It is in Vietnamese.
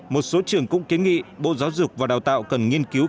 một số trường cũng kiến nghị bộ giáo dục và đào tạo cần nghiên cứu